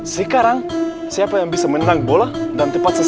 lukman tuh maunya sepuluh ribu rupiah